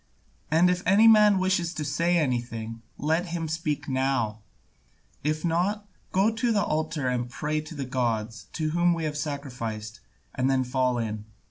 And if any man wishes to say anything, let him speak now; if not, go to the altar and there pray to the gods to whom we have sacrificed, and then fall in.